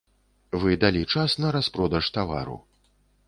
Вы далі час на распродаж тавару.